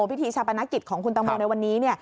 พิธีชาปนกิจของคุณตังโมในวันนี้